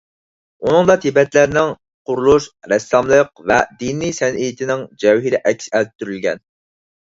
ئۇنىڭدا تىبەتلەرنىڭ قۇرۇلۇش، رەسساملىق ۋە دىنىي سەنئىتىنىڭ جەۋھىرى ئەكس ئەتتۈرۈلگەن.